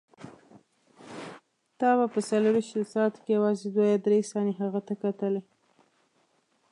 ته به په څلورویشتو ساعتو کې یوازې دوه یا درې ثانیې هغه ته کتلې.